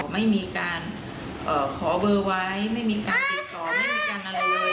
ไม่มีการขอเบอร์ไว้ไม่มีการติดต่อไม่มีการอะไรเลย